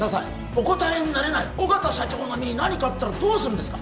お答えになれない緒方社長の身に何かあったらどうするんですか？